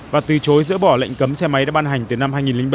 và từ chối giỡn bỏ lệnh cấm xe máy đã ban hành từ năm hai nghìn ba